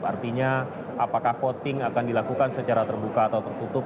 artinya apakah voting akan dilakukan secara terbuka atau tertutup